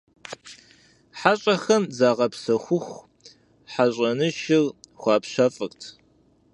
ХьэщӀэхэм загъэпсэхуху, хьэщӀэнышыр хуапщэфӏырт.